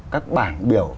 các bảng biểu